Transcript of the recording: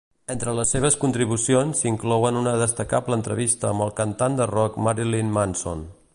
Entre les seves contribucions s"inclouen una destacable entrevista amb el cantant de rock Marilyn Manson.